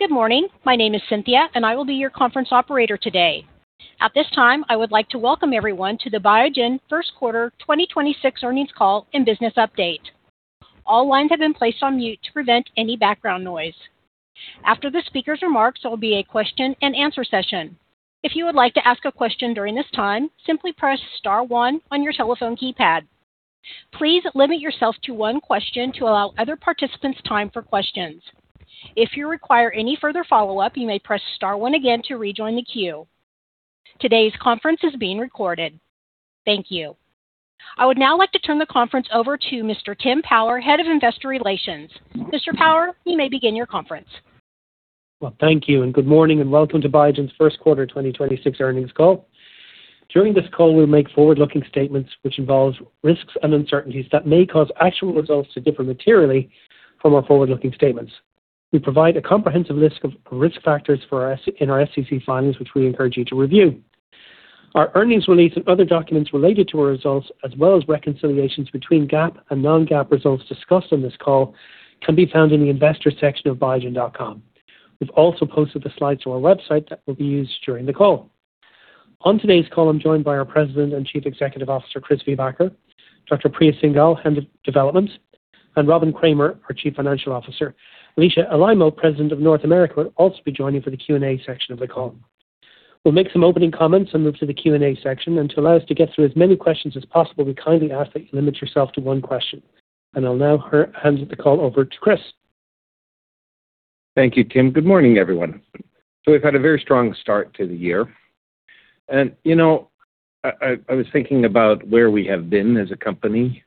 Good morning. My name is Cynthia, and I will be your conference operator today. At this time, I would like to welcome everyone to the Biogen first quarter 2026 earnings call and business update. All lines have been placed on mute to prevent any background noise. After the speaker's remarks, there will be a question-and-answer session. If you would like to ask a question during this time, simply press star one on your telephone keypad. Please limit yourself to one question to allow other participants time for questions. If you require any further follow-up, you may press star one again to rejoin the queue. Today's conference is being recorded. Thank you. I would now like to turn the conference over to Mr. Tim Power, Head of Investor Relations. Mr. Power, you may begin your conference. Thank you, and good morning, and welcome to Biogen's first quarter 2026 earnings call. During this call, we'll make forward-looking statements which involves risks and uncertainties that may cause actual results to differ materially from our forward-looking statements. We provide a comprehensive list of risk factors in our SEC filings, which we encourage you to review. Our earnings release and other documents related to our results, as well as reconciliations between GAAP and non-GAAP results discussed on this call, can be found in the Investors section of biogen.com. We've also posted the slides on our website that will be used during the call. On today's call, I'm joined by our President and Chief Executive Officer, Chris Viehbacher; Dr. Priya Singhal, Head of Development; and Robin Kramer, our Chief Financial Officer. Alisha Alaimo, President of North America, will also be joining for the Q&A section of the call. We'll make some opening comments and move to the Q&A section. To allow us to get through as many questions as possible, we kindly ask that you limit yourself to one question. I'll now hand the call over to Chris. Thank you, Tim. Good morning, everyone. We've had a very strong start to the year. You know, I was thinking about where we have been as a company.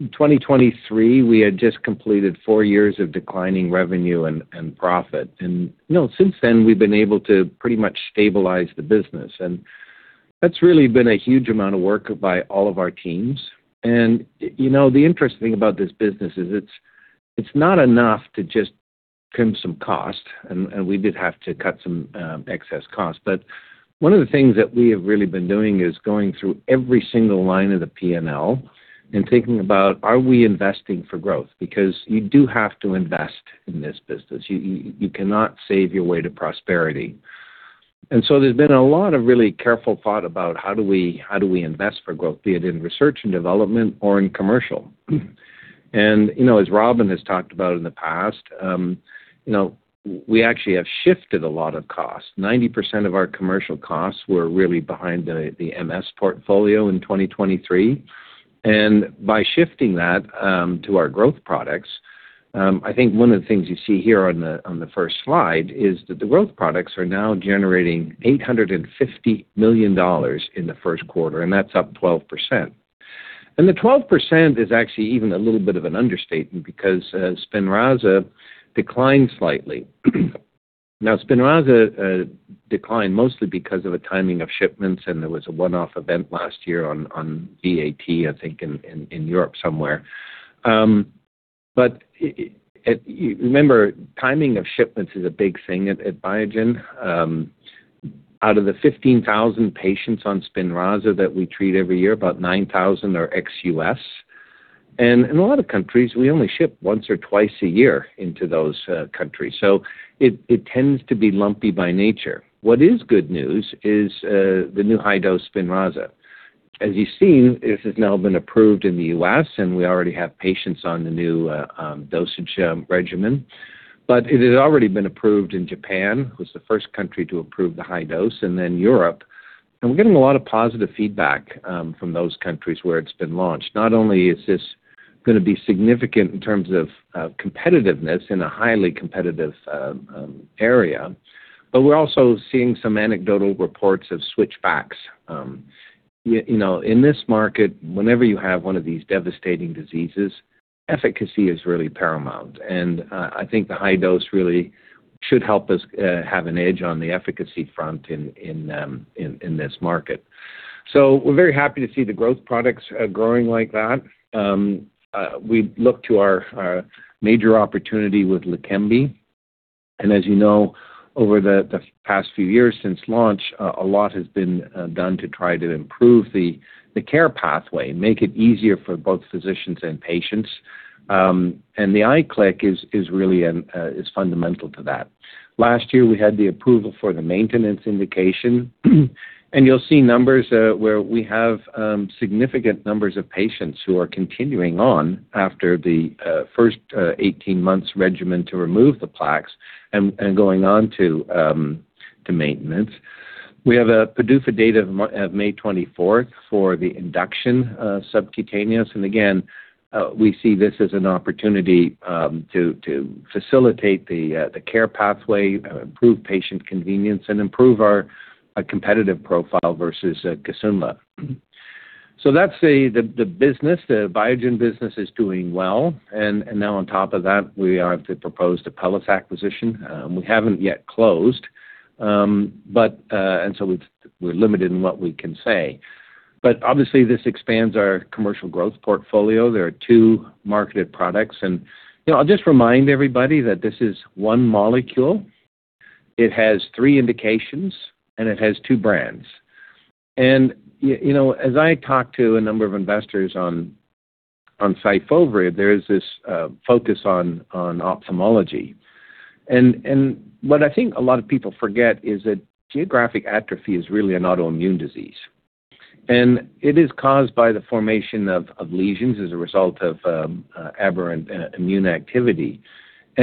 In 2023, we had just completed four years of declining revenue and profit. You know, since then, we've been able to pretty much stabilize the business, and that's really been a huge amount of work by all of our teams. You know, the interesting about this business is it's not enough to just trim some costs, and we did have to cut some excess costs. One of the things that we have really been doing is going through every single line of the P&L and thinking about, are we investing for growth? You do have to invest in this business. You cannot save your way to prosperity. There's been a lot of really careful thought about how do we, how do we invest for growth, be it in research and development or in commercial. You know, as Robin has talked about in the past, you know, we actually have shifted a lot of costs. 90% of our commercial costs were really behind the MS portfolio in 2023. By shifting that to our growth products, I think one of the things you see here on the first slide is that the growth products are now generating $850 million in the first quarter, and that's up 12%. The 12% is actually even a little bit of an understatement because SPINRAZA declined slightly. SPINRAZA declined mostly because of a timing of shipments, and there was a one-off event last year on VAT, I think, in Europe somewhere. Remember, timing of shipments is a big thing at Biogen. Out of the 15,000 patients on SPINRAZA that we treat every year, about 9,000 are ex-U.S. In a lot of countries, we only ship once or twice a year into those countries. It tends to be lumpy by nature. What is good news is the new High Dose SPINRAZA. As you've seen, this has now been approved in the U.S., and we already have patients on the new dosage regimen. It has already been approved in Japan, who's the first country to approve the high dose, and then Europe. We're getting a lot of positive feedback from those countries where it's been launched. Not only is this gonna be significant in terms of competitiveness in a highly competitive area, but we're also seeing some anecdotal reports of switch backs. You know, in this market, whenever you have one of these devastating diseases, efficacy is really paramount. I think the high dose really should help us have an edge on the efficacy front in this market. We're very happy to see the growth products growing like that. We look to our major opportunity with LEQEMBI. As you know, over the past few years since launch, a lot has been done to try to improve the care pathway, make it easier for both physicians and patients. The IQLIK is really fundamental to that. Last year, we had the approval for the maintenance indication. You'll see numbers where we have significant numbers of patients who are continuing on after the first 18 months regimen to remove the plaques and going on to maintenance. We have a PDUFA date of May 24th for the induction subcutaneous. Again, we see this as an opportunity to facilitate the care pathway, improve patient convenience, and improve our competitive profile versus Kisunla. That's the business. The Biogen business is doing well. Now on top of that, we have the proposed Apellis acquisition. We haven't yet closed, but we're limited in what we can say. Obviously, this expands our commercial growth portfolio. There are two marketed products. You know, I'll just remind everybody that this is one molecule. It has three indications, and it has two brands. You know, as I talk to a number of investors on SYFOVRE, there is this focus on ophthalmology. What I think a lot of people forget is that geographic atrophy is really an autoimmune disease. It is caused by the formation of lesions as a result of aberrant immune activity.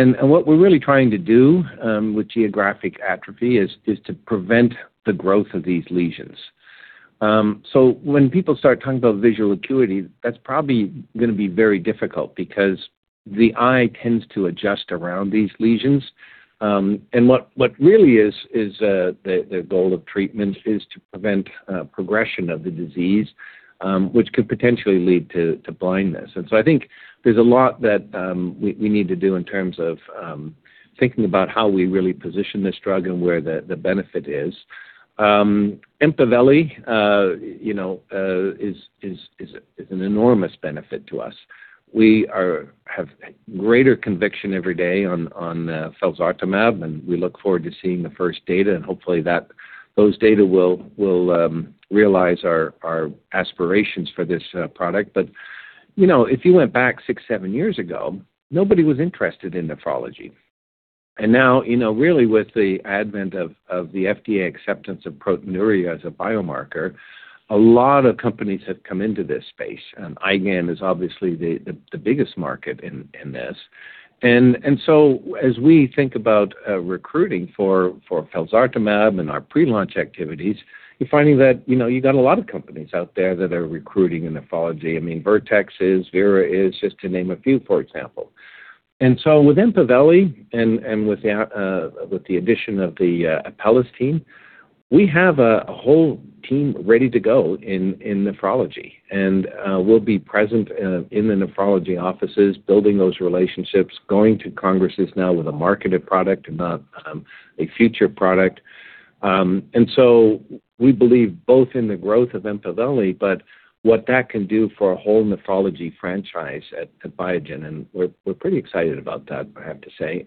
What we're really trying to do with geographic atrophy is to prevent the growth of these lesions. When people start talking about visual acuity, that's probably gonna be very difficult because the eye tends to adjust around these lesions. What really is the goal of treatment is to prevent progression of the disease, which could potentially lead to blindness. I think there's a lot that we need to do in terms of thinking about how we really position this drug and where the benefit is. EMPAVELI, you know, is an enormous benefit to us. We have greater conviction every day on felzartamab, and we look forward to seeing the first data, and hopefully that those data will realize our aspirations for this product. You know, if you went back six, seven years ago, nobody was interested in nephrology. Now, you know, really with the advent of the FDA acceptance of proteinuria as a biomarker, a lot of companies have come into this space, and IgAN is obviously the biggest market in this. As we think about recruiting for felzartamab and our pre-launch activities, you're finding that, you know, you got a lot of companies out there that are recruiting in nephrology. I mean, Vertex is, Vera is, just to name a few, for example. With EMPAVELI and with the addition of the Apellis team, we have a whole team ready to go in nephrology. We'll be present in the nephrology offices, building those relationships, going to congresses now with a marketed product and not a future product. We believe both in the growth of EMPAVELI, but what that can do for a whole nephrology franchise at Biogen, and we're pretty excited about that, I have to say.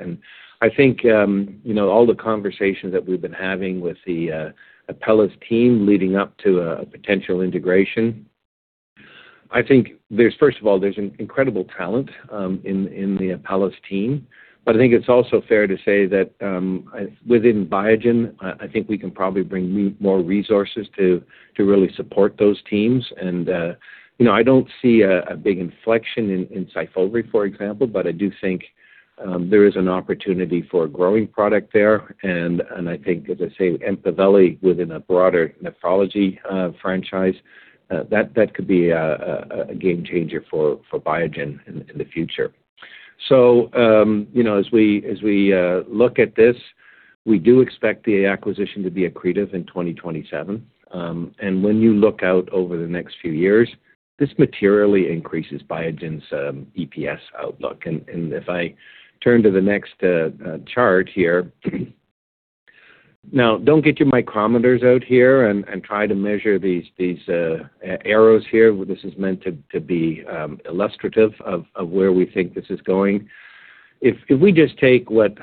I think, you know, all the conversations that we've been having with the Apellis team leading up to a potential integration, I think there's first of all, there's an incredible talent in the Apellis team. But I think it's also fair to say that within Biogen, I think we can probably bring more resources to really support those teams. You know, I don't see a big inflection in SYFOVRE, for example, but I do think there is an opportunity for a growing product there. I think, as I say, EMPAVELI within a broader nephrology franchise, that could be a game changer for Biogen in the future. You know, as we look at this, we do expect the acquisition to be accretive in 2027. When you look out over the next few years, this materially increases Biogen's EPS outlook. If I turn to the next chart here. Now, don't get your micrometers out here and try to measure these arrows here. This is meant to be illustrative of where we think this is going. If we just take what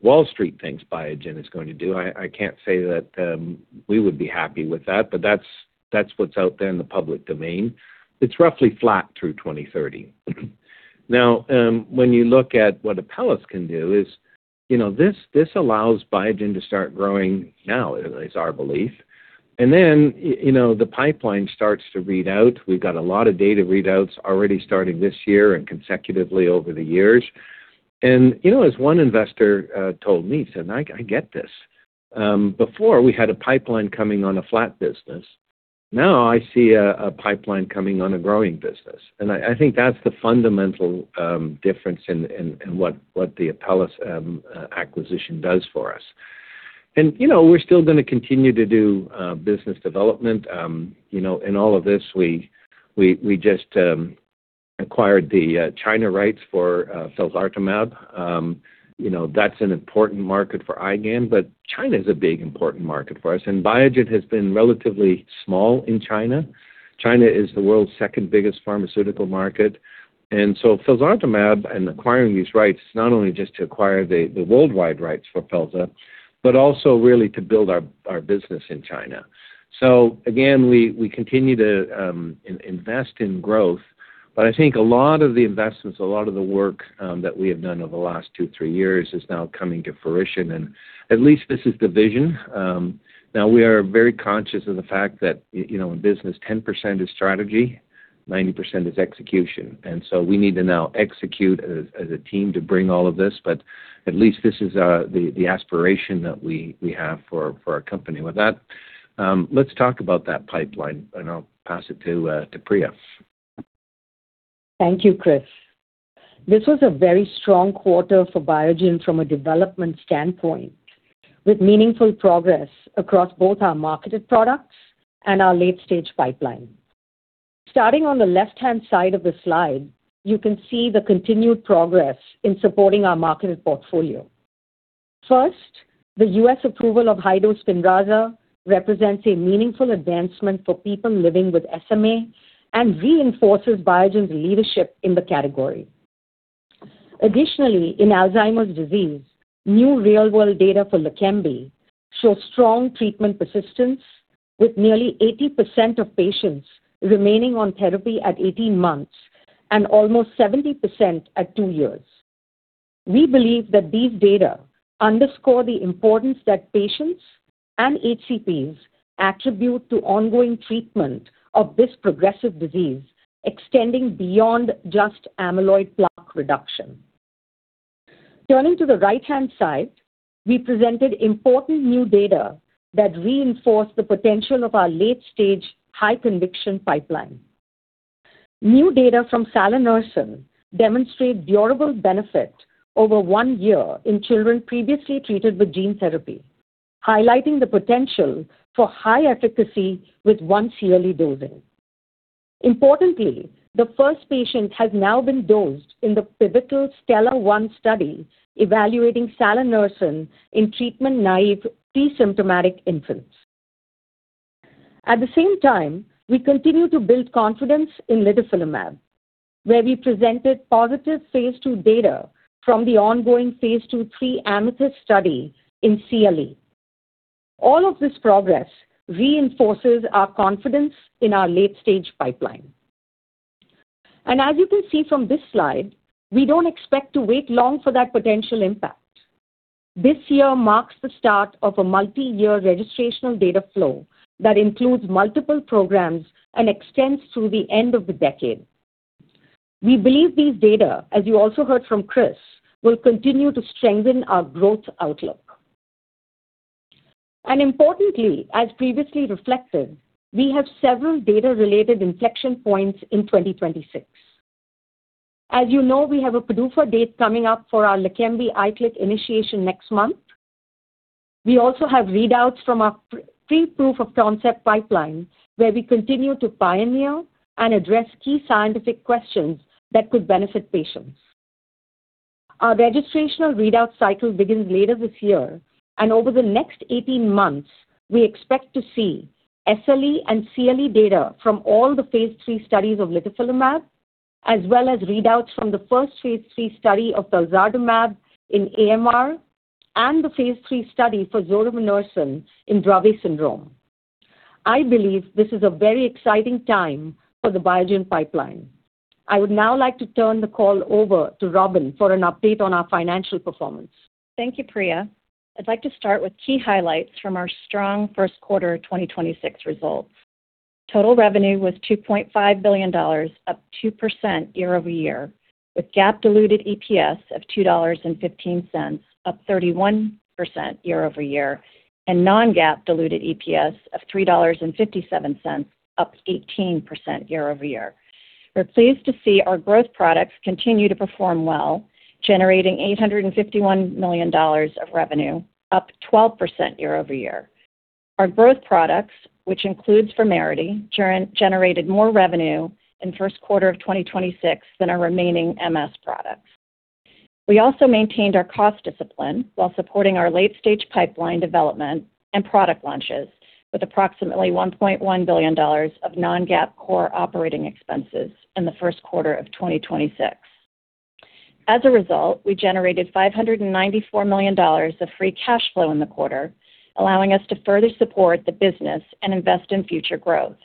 Wall Street thinks Biogen is going to do, I can't say that we would be happy with that, but that's what's out there in the public domain. It's roughly flat through 2030. When you look at what Apellis can do is, you know, this allows Biogen to start growing now, is our belief. You know, the pipeline starts to read out. We've got a lot of data readouts already starting this year and consecutively over the years. You know, as one investor told me, he said, "I get this. Before we had a pipeline coming on a flat business. I see a pipeline coming on a growing business. I think that's the fundamental difference in what the Apellis acquisition does for us. You know, we're still gonna continue to do business development. You know, in all of this, we just acquired the China rights for felzartamab. You know, that's an important market for IgAN, but China's a big, important market for us, and Biogen has been relatively small in China. China is the world's second-biggest pharmaceutical market. Felzartamab and acquiring these rights, not only just to acquire the worldwide rights for felza, but also really to build our business in China. Again, we continue to invest in growth, but I think a lot of the investments, a lot of the work that we have done over the last two, three years is now coming to fruition. At least this is the vision. Now we are very conscious of the fact that, you know, in business, 10% is strategy, 90% is execution. We need to now execute as a team to bring all of this, but at least this is the aspiration that we have for our company. With that, let's talk about that pipeline, and I'll pass it to Priya. Thank you, Chris. This was a very strong quarter for Biogen from a development standpoint, with meaningful progress across both our marketed products and our late-stage pipeline. Starting on the left-hand side of the slide, you can see the continued progress in supporting our marketed portfolio. First, the U.S. approval of High Dose SPINRAZA represents a meaningful advancement for people living with SMA and reinforces Biogen's leadership in the category. Additionally in Alzheimer's disease, new real world data for LEQEMBI shows strong treatment persistence with nearly 80% of patients remaining on therapy at 18 months and almost 70% at two years. We believe that these data underscore the importance that patients and HCPs attribute to ongoing treatment of this progressive disease, extending beyond just amyloid plaque reduction. Turning to the right-hand side, we presented important new data that reinforced the potential of our late-stage high conviction pipeline. New data from salanersen demonstrate durable benefit over one year in children previously treated with gene therapy, highlighting the potential for high efficacy with once-yearly dosing. Importantly, the first patient has now been dosed in the pivotal STELLAR-1 study evaluating salanersen in treatment-naive pre-symptomatic infants. At the same time, we continue to build confidence in litifilimab, where we presented positive phase II data from the ongoing phase II/III AMETHYST study in CLE. All of this progress reinforces our confidence in our late-stage pipeline. As you can see from this slide, we don't expect to wait long for that potential impact. This year marks the start of a multi-year registrational data flow that includes multiple programs and extends through the end of the decade. We believe these data, as you also heard from Chris, will continue to strengthen our growth outlook. Importantly, as previously reflected, we have several data-related inflection points in 2026. As you know, we have a PDUFA date coming up for our LEQEMBI IQLIK initiation next month. We also have readouts from our pre-proof of concept pipeline, where we continue to pioneer and address key scientific questions that could benefit patients. Our registrational readout cycle begins later this year, and over the next 18 months, we expect to see SLE and CLE data from all the phase III studies of litifilimab, as well as readouts from the first phase III study of felzartamab in AMR and the phase III study for zorevunersen in Dravet syndrome. I believe this is a very exciting time for the Biogen pipeline. I would now like to turn the call over to Robin for an update on our financial performance. Thank you, Priya. I'd like to start with key highlights from our strong first quarter 2026 results. Total revenue was $2.5 billion, up 2% year-over-year, with GAAP diluted EPS of $2.15, up 31% year-over-year, and non-GAAP diluted EPS of $3.57, up 18% year-over-year. We're pleased to see our growth products continue to perform well, generating $851 million of revenue, up 12% year-over-year. Our growth products, which includes VUMERITY, generated more revenue in first quarter of 2026 than our remaining MS products. We also maintained our cost discipline while supporting our late-stage pipeline development and product launches with approximately $1.1 billion of non-GAAP core operating expenses in the first quarter of 2026. As a result, we generated $594 million of free cash flow in the quarter, allowing us to further support the business and invest in future growth,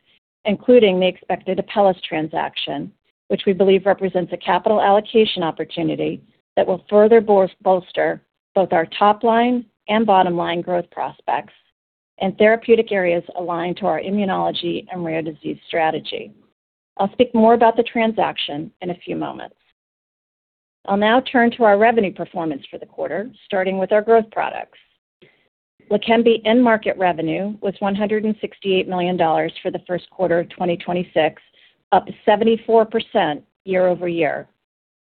including the expected Apellis transaction, which we believe represents a capital allocation opportunity that will further bolster both our top line and bottom line growth prospects and therapeutic areas aligned to our immunology and rare disease strategy. I'll speak more about the transaction in a few moment. I'll now turn to our revenue performance for the quarter, starting with our growth products. LEQEMBI end market revenue was $168 million for the first quarter of 2026, up 74% year-over-year.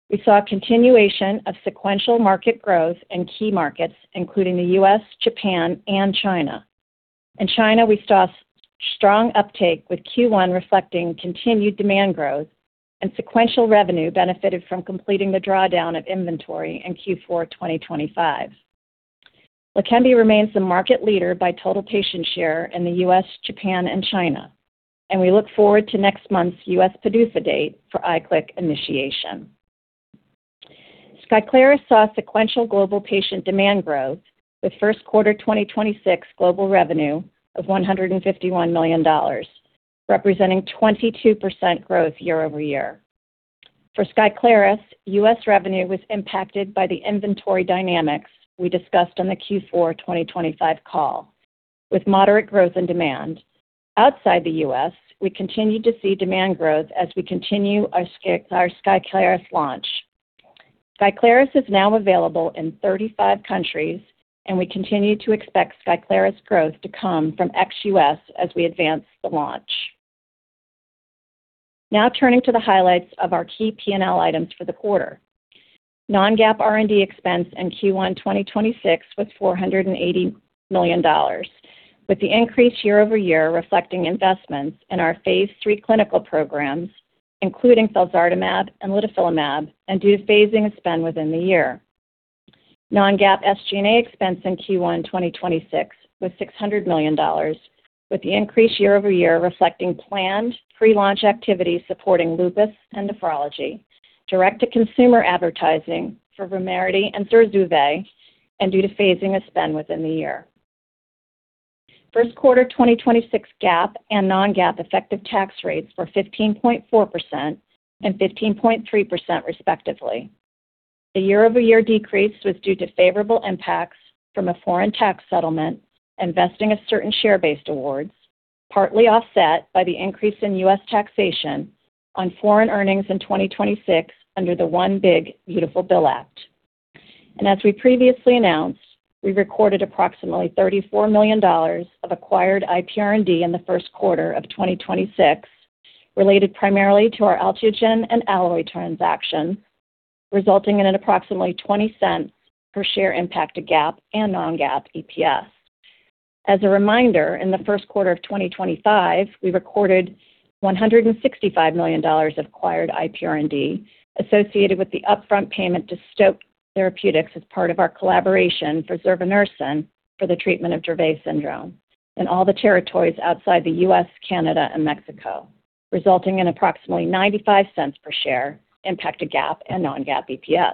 We saw a continuation of sequential market growth in key markets, including the U.S., Japan, and China. In China, we saw strong uptake with Q1 reflecting continued demand growth and sequential revenue benefited from completing the drawdown of inventory in Q4 2025. LEQEMBI remains the market leader by total patient share in the U.S., Japan, and China, and we look forward to next month's U.S. PDUFA date for IQLIK initiation. SKYCLARYS saw sequential global patient demand growth with first quarter 2026 global revenue of $151 million, representing 22% growth year-over-year. For SKYCLARYS, U.S. revenue was impacted by the inventory dynamics we discussed on the Q4 2025 call with moderate growth and demand. Outside the U.S., we continued to see demand growth as we continue our SKYCLARYS launch. SKYCLARYS is now available in 35 countries, and we continue to expect SKYCLARYS growth to come from ex-U.S. as we advance the launch. Turning to the highlights of our key P&L items for the quarter. Non-GAAP R&D expense in Q1 2026 was $480 million, with the increase year-over-year reflecting investments in our phase III clinical programs, including felzartamab and litifilimab, and due to phasing of spend within the year. Non-GAAP SG&A expense in Q1 2026 was $600 million, with the increase year-over-year reflecting planned pre-launch activities supporting lupus and nephrology, direct-to-consumer advertising for VUMERITY and ZURZUVAE, and due to phasing of spend within the year. First quarter 2026 GAAP and non-GAAP effective tax rates were 15.4% and 15.3% respectively. The year-over-year decrease was due to favorable impacts from a foreign tax settlement and vesting of certain share-based awards, partly offset by the increase in U.S. taxation on foreign earnings in 2026 under the One Big Beautiful Bill Act. As we previously announced, we recorded approximately $34 million of acquired IPR&D in the first quarter of 2026, related primarily to our Alcyone and Alloy transaction, resulting in an approximately $0.20 per share impact to GAAP and non-GAAP EPS. As a reminder, in the first quarter of 2025, we recorded $165 million of acquired IPR&D associated with the upfront payment to Stoke Therapeutics as part of our collaboration for zorevunersen for the treatment of Dravet syndrome in all the territories outside the U.S., Canada, and Mexico, resulting in approximately $0.95 per share impact to GAAP and non-GAAP EPS.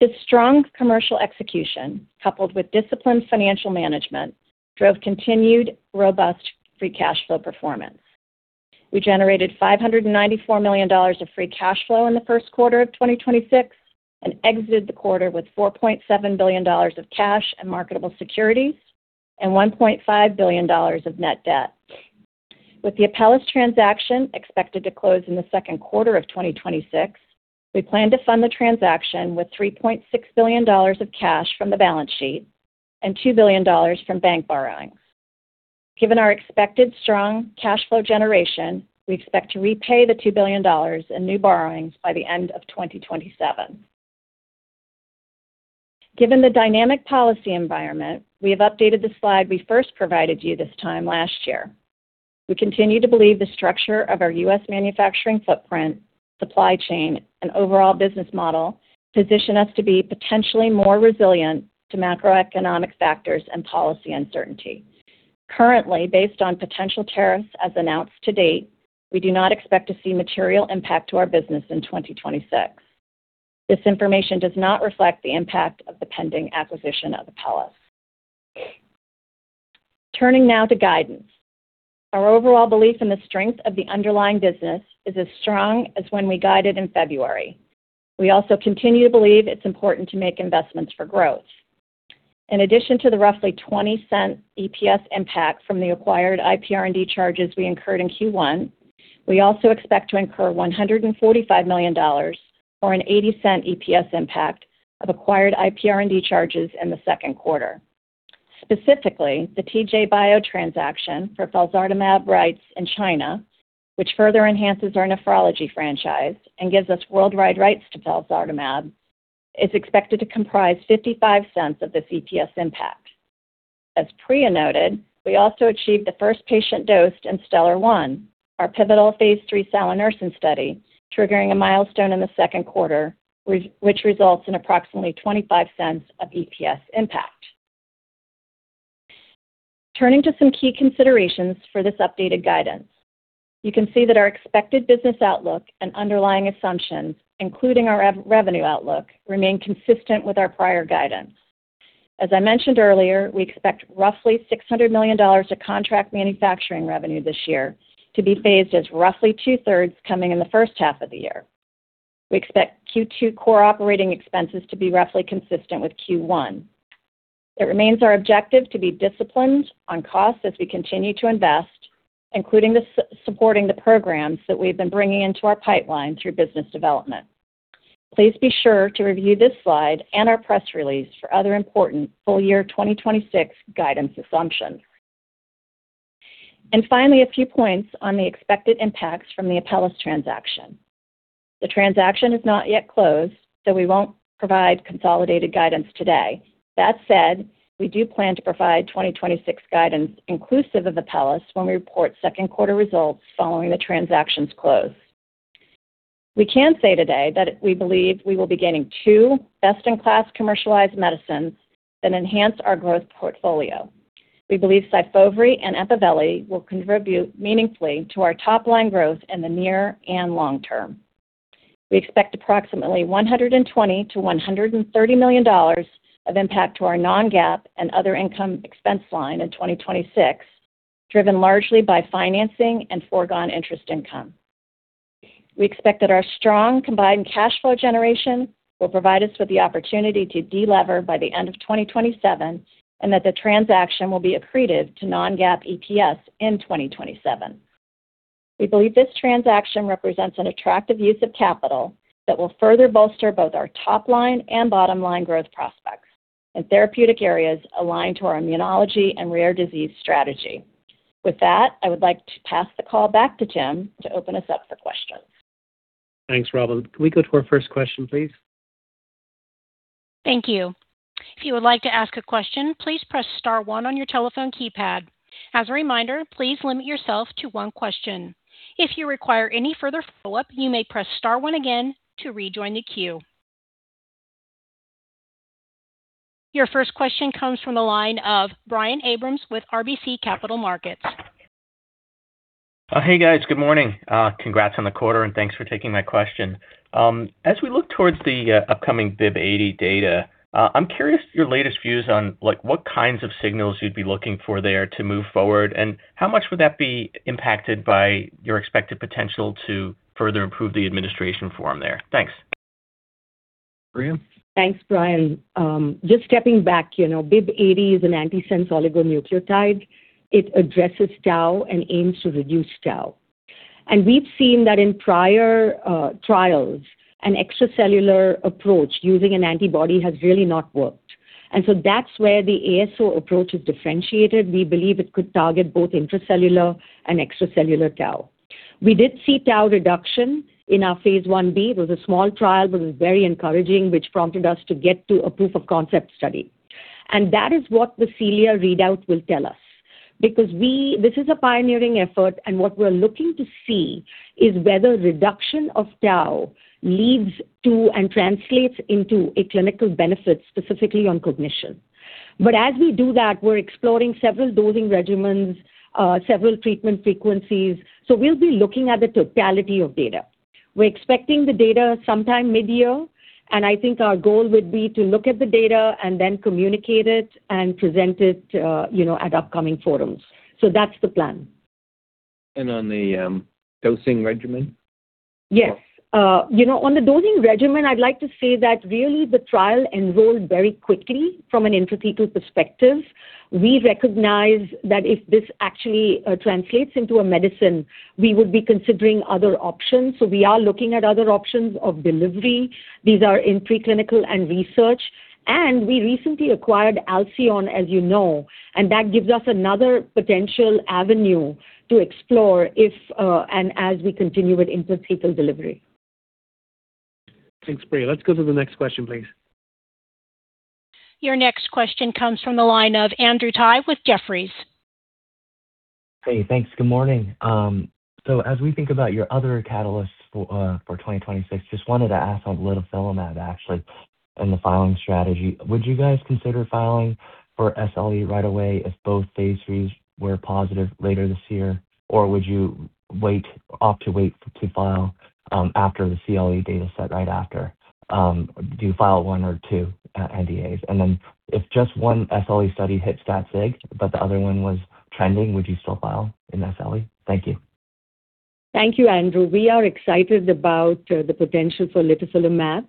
This strong commercial execution, coupled with disciplined financial management, drove continued robust free cash flow performance. We generated $594 million of free cash flow in the first quarter of 2026 and exited the quarter with $4.7 billion of cash and marketable securities and $1.5 billion of net debt. With the Apellis transaction expected to close in the second quarter of 2026, we plan to fund the transaction with $3.6 billion of cash from the balance sheet and $2 billion from bank borrowing. Given our expected strong cash flow generation, we expect to repay the $2 billion in new borrowings by the end of 2027. Given the dynamic policy environment, we have updated the slide we first provided you this time last year. We continue to believe the structure of our U.S. manufacturing footprint, supply chain, and overall business model position us to be potentially more resilient to macroeconomic factors and policy uncertainty. Currently, based on potential tariffs as announced to date, we do not expect to see material impact to our business in 2026. This information does not reflect the impact of the pending acquisition of Apellis. Turning now to guidance. Our overall belief in the strength of the underlying business is as strong as when we guided in February. We also continue to believe it's important to make investments for growth. In addition to the roughly $0.20 EPS impact from the acquired IPR&D charges we incurred in Q1, we also expect to incur $145 million or an $0.80 EPS impact of acquired IPR&D charges in the second quarter. Specifically, the TJ Bio transaction for felzartamab rights in China, which further enhances our nephrology franchise and gives us worldwide rights to felzartamab, is expected to comprise $0.55 of this EPS impact. As Priya noted, we also achieved the first patient dosed in STELLAR-1, our pivotal phase III salanersen study, triggering a milestone in the second quarter, which results in approximately $0.25 of EPS impact. Turning to some key considerations for this updated guidance. You can see that our expected business outlook and underlying assumptions, including our revenue outlook, remain consistent with our prior guidance. As I mentioned earlier, we expect roughly $600 million of contract manufacturing revenue this year to be phased as roughly 2/3 coming in the first half of the year. We expect Q2 core operating expenses to be roughly consistent with Q1. It remains our objective to be disciplined on costs as we continue to invest, including supporting the programs that we've been bringing into our pipeline through business development. Please be sure to review this slide and our press release for other important full year 2026 guidance assumptions. Finally, a few points on the expected impacts from the Apellis transaction. The transaction is not yet closed, so we won't provide consolidated guidance today. That said, we do plan to provide 2026 guidance inclusive of Apellis when we report second quarter results following the transaction's close. We can say today that we believe we will be gaining two best-in-class commercialized medicines that enhance our growth portfolio. We believe SYFOVRE and EMPAVELI will contribute meaningfully to our top line growth in the near and long term. We expect approximately $120 million-$130 million of impact to our non-GAAP and other income expense line in 2026, driven largely by financing and foregone interest income. We expect that our strong combined cash flow generation will provide us with the opportunity to de-lever by the end of 2027, and that the transaction will be accretive to non-GAAP EPS in 2027. We believe this transaction represents an attractive use of capital that will further bolster both our top line and bottom line growth prospects in therapeutic areas aligned to our immunology and rare disease strategy. With that, I would like to pass the call back to Tim to open us up for questions. Thanks, Robin. Can we go to our first question, please? Thank you. If you would like to ask a question, please press star one on your telephone keypad. As a reminder, please limit yourself to one question. If you require any further follow-up, you may press star one again to rejoin the queue. Your first question comes from the line of Brian Abrahams with RBC Capital Markets. Hey, guys. Good morning. Congrats on the quarter, and thanks for taking my question. As we look towards the upcoming BIIB080 data, I'm curious your latest views on, like, what kinds of signals you'd be looking for there to move forward, and how much would that be impacted by your expected potential to further improve the administration form there? Thanks. Priya? Thanks, Brian. Just stepping back, you know, BIIB080 is an antisense oligonucleotide. It addresses tau and aims to reduce tau. We've seen that in prior trials, an extracellular approach using an antibody has really not worked. That's where the ASO approach is differentiated. We believe it could target both intracellular and extracellular tau. We did see tau reduction in our phase Ib. It was a small trial, but it was very encouraging, which prompted us to get to a proof of concept study. That is what the CELIA readout will tell us. Because this is a pioneering effort, and what we're looking to see is whether reduction of tau leads to and translates into a clinical benefit, specifically on cognition. As we do that, we're exploring several dosing regimens, several treatment frequencies. We'll be looking at the totality of data. We're expecting the data sometime mid-year, and I think our goal would be to look at the data and then communicate it and present it, you know, at upcoming forums. That's the plan. On the dosing regimen? Yes. you know, on the dosing regimen, I'd like to say that really the trial enrolled very quickly from an intrathecal perspective. We recognize that if this actually, translates into a medicine, we would be considering other options. We are looking at other options of delivery. These are in preclinical and research. We recently acquired Alcyone, as you know, and that gives us another potential avenue to explore if, and as we continue with intrathecal delivery. Thanks, Priya. Let's go to the next question, please. Your next question comes from the line of Andrew Tsai with Jefferies. Hey, thanks. Good morning. As we think about your other catalysts for 2026, just wanted to ask on litifilimab, actually, and the filing strategy. Would you guys consider filing for SLE right away if both phase IIIs were positive later this year? Would you wait, opt to wait to file after the CLE data set right after? Do you file one or two NDAs? If just one SLE study hits that sig, but the other one was trending, would you still file in SLE? Thank you. Thank you, Andrew. We are excited about the potential for litifilimab.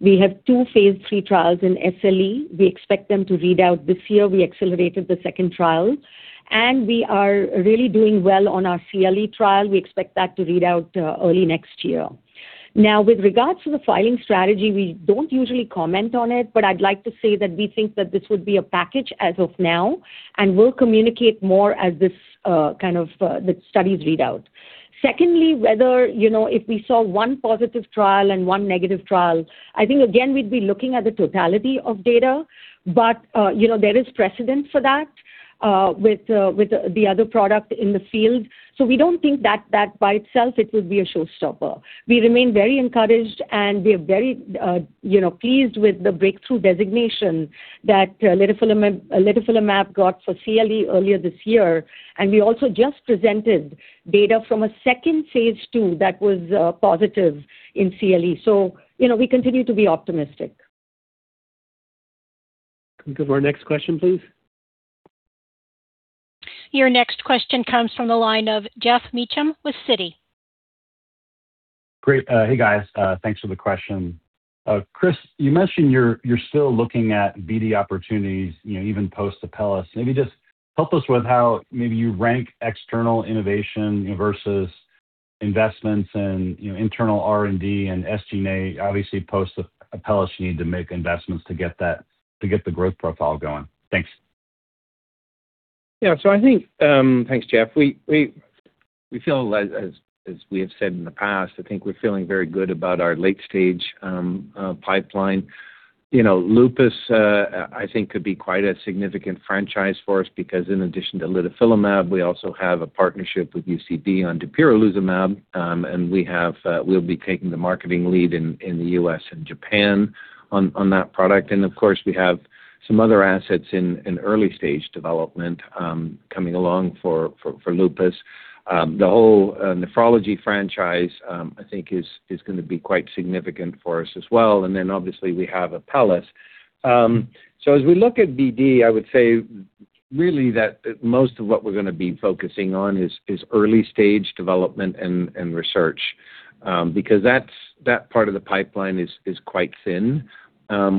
We have 2 phase III trials in SLE. We expect them to read out this year. We accelerated the second trial, and we are really doing well on our CLE trial. We expect that to read out early next year. Now, with regards to the filing strategy, we don't usually comment on it, but I'd like to say that we think that this would be a package as of now, and we'll communicate more as this the studies read out. Secondly, whether, you know, if we saw one positive trial and one negative trial, I think again, we'd be looking at the totality of data. You know, there is precedent for that with the other product in the field. We don't think that by itself, it would be a showstopper. We remain very encouraged, and we are very, you know, pleased with the breakthrough designation that litifilimab got for CLE earlier this year. We also just presented data from a second phase II that was positive in CLE. You know, we continue to be optimistic. Can we go to our next question, please? Your next question comes from the line of Geoff Meacham with Citi. Great. Hey, guys. Thanks for the question. Chris, you mentioned you're still looking at BD opportunities, you know, even post-Apellis. Maybe just help us with how maybe you rank external innovation versus investments and, you know, internal R&D and SG&A. Obviously, post-Apellis, you need to make investments to get that, to get the growth profile going. Thanks. Thanks, Geoff. We feel as we have said in the past, I think we're feeling very good about our late stage pipeline. You know, lupus, I think could be quite a significant franchise for us because in addition to litifilimab, we also have a partnership with UCB on dapirolizumab. We have, we'll be taking the marketing lead in the U.S. and Japan on that product. Of course, we have some other assets in early stage development coming along for lupus. The whole nephrology franchise, I think is gonna be quite significant for us as well. Obviously we have Apellis. As we look at BD, I would say really that most of what we're going to be focusing on is early stage development and research, because that part of the pipeline is quite thin.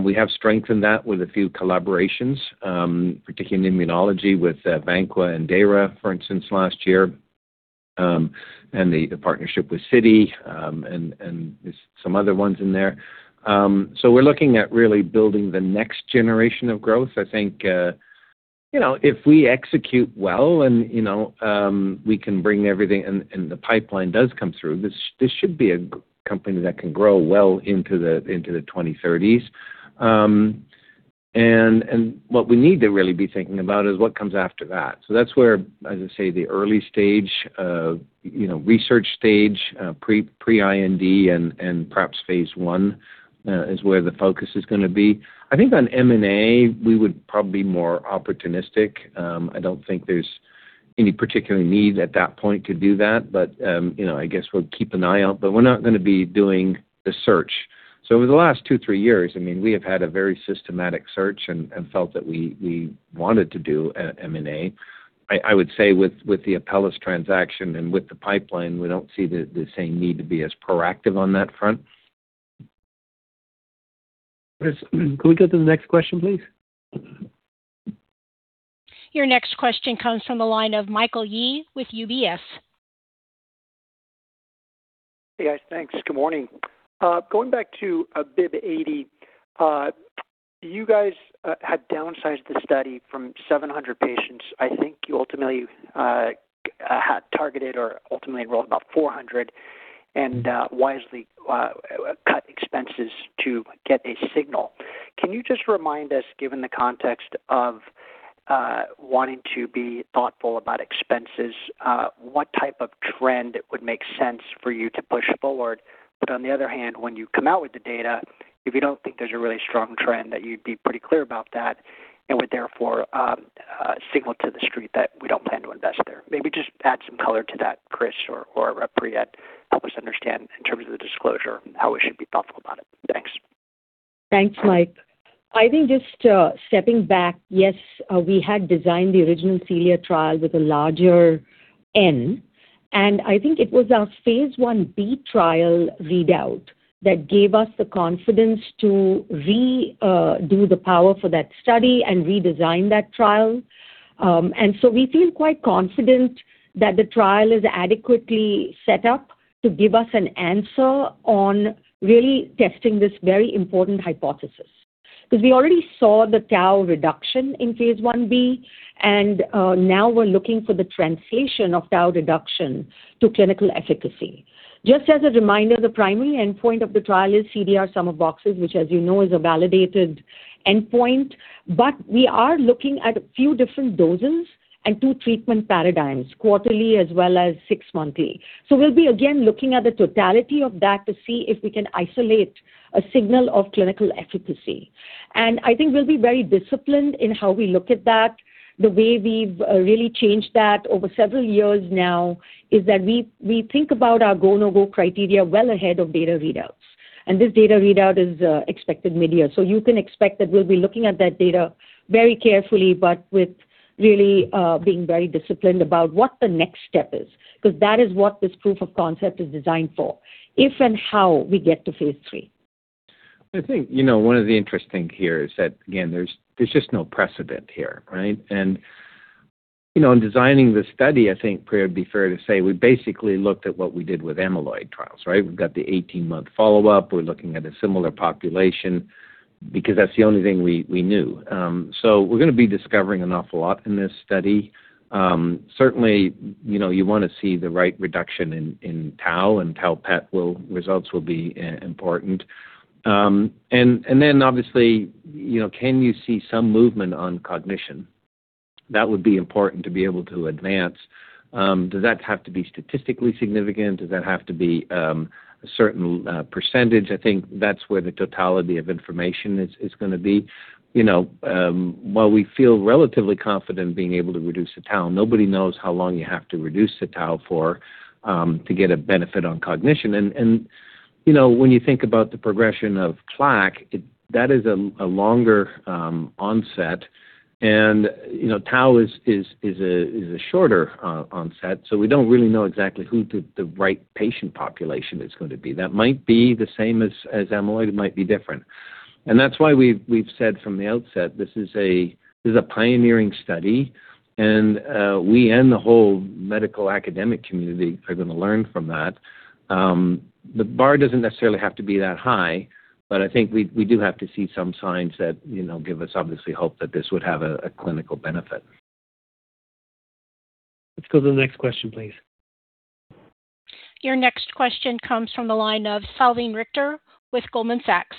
We have strengthened that with a few collaborations, particularly in immunology with Vanqua and Dara, for instance, last year, and the partnership with Citi, and there's some other ones in there. We're looking at really building the next generation of growth. I think, you know, if we execute well and, you know, we can bring everything and the pipeline does come through, this should be a company that can grow well into the 2030s. And what we need to really be thinking about is what comes after that. That's where, as I say, the early stage of research stage, pre-IND and perhaps phase I, is where the focus is gonna be. I think on M&A, we would probably be more opportunistic. I don't think there's any particular need at that point to do that, but, I guess we'll keep an eye out, but we're not gonna be doing the search. Over the last two, three years, we have had a very systematic search and felt that we wanted to do M&A. I would say with the Apellis transaction and with the pipeline, we don't see the same need to be as proactive on that front. Chris, can we go to the next question, please? Your next question comes from the line of Michael Yee with UBS. Hey, guys. Thanks. Good morning. Going back to BIIB080, you guys had downsized the study from 700 patients. I think you ultimately targeted or ultimately enrolled about 400 and wisely cut expenses to get a signal. Can you just remind us, given the context of wanting to be thoughtful about expenses, what type of trend would make sense for you to push forward? On the other hand, when you come out with the data, if you don't think there's a really strong trend, that you'd be pretty clear about that and would therefore signal to the street that we don't plan to invest there. Maybe just add some color to that, Chris or Priya. Help us understand in terms of the disclosure how we should be thoughtful about it. Thanks. Thanks, Mike. I think just stepping back, yes, we had designed the original CELIA trial with a larger N, and I think it was our phase Ib trial readout that gave us the confidence to redo the power for that study and redesign that trial. We feel quite confident that the trial is adequately set up to give us an answer on really testing this very important hypothesis. We already saw the tau reduction in phase Ib, and now we're looking for the translation of tau reduction to clinical efficacy. Just as a reminder, the primary endpoint of the trial is CDR Sum of Boxes, which as you know, is a validated endpoint. We are looking at a few different doses and two treatment paradigms, quarterly as well as six monthly. We'll be again looking at the totality of that to see if we can isolate a signal of clinical efficacy. I think we'll be very disciplined in how we look at that. The way we've really changed that over several years now is that we think about our go/no-go criteria well ahead of data readouts. This data readout is expected mid-year. You can expect that we'll be looking at that data very carefully, but with really being very disciplined about what the next step is, because that is what this proof of concept is designed for, if and how we get to phase III. I think, you know, one of the interesting here is that, again, there's just no precedent here, right? You know, in designing the study, I think, Priya, it'd be fair to say we basically looked at what we did with amyloid trials, right? We've got the 18-month follow-up. We're looking at a similar population because that's the only thing we knew. We're gonna be discovering an awful lot in this study. Certainly, you know, you wanna see the right reduction in tau and tau PET results will be important. Obviously, you know, can you see some movement on cognition? That would be important to be able to advance. Does that have to be statistically significant? Does that have to be a certain percentage? I think that's where the totality of information is gonna be. You know, while we feel relatively confident being able to reduce the tau, nobody knows how long you have to reduce the tau for to get a benefit on cognition. You know, when you think about the progression of plaque, that is a longer onset and, you know, tau is a shorter onset, so we don't really know exactly who the right patient population is going to be. That might be the same as amyloid. It might be different. That's why we've said from the outset, this is a, this is a pioneering study and we and the whole medical academic community are gonna learn from that. The bar doesn't necessarily have to be that high, but I think we do have to see some signs that, you know, give us obviously hope that this would have a clinical benefit. Let's go to the next question, please. Your next question comes from the line of Salveen Richter with Goldman Sachs.